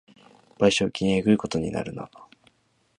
賠償金えぐいことになるな